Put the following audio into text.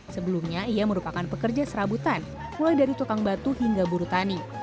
sebelumnya ia merupakan pekerja serabutan mulai dari tukang batu hingga buru tani